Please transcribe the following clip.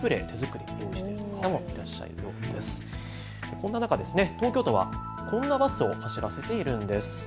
そんな中、東京都はこんなバスを走らせているんです。